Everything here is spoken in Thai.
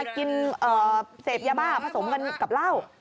กินเสพยาบ้าผสมกันกับเหล้า